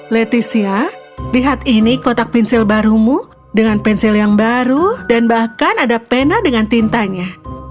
leticia lihat ini kotak pensil barumu dengan pensil yang baru dan bahkan ada pena dengan tintanya